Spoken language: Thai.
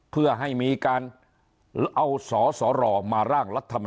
เพื่อให้มีการเอาสสรมาร่างรัฐมน